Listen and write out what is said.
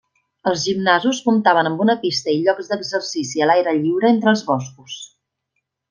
Els gimnasos comptaven amb una pista i llocs d'exercici a l'aire lliure entre els boscos.